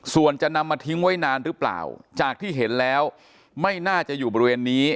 ส่วนจะนำมาทิ้งไว้นานหรือเปล่าจากที่เห็นแล้วไม่น่าจะอยู่บริเวณนี้